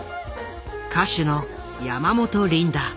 歌手の山本リンダ。